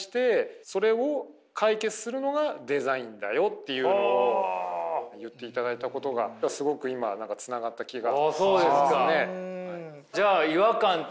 っていうのを言っていただいたことがすごく今つながった気がしますね。